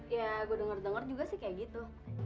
ya gue denger denger juga sih kayak gitu